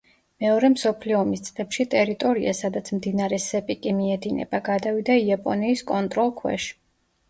მეორე მსოფლიო ომის წლებში ტერიტორია, სადაც მდინარე სეპიკი მიედინება, გადავიდა იაპონიის კონტროლ ქვეშ.